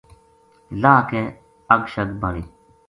لاہ کے اگ شگ بالی